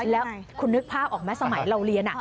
แล้วคุณนึกภาพออกไหมสมัยเราเรียน